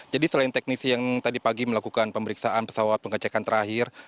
jadi selain teknisi yang tadi pagi melakukan pemeriksaan pesawat pengecekan terakhir